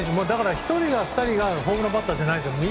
だから、１人が２人がホームランバッターじゃないんですよ。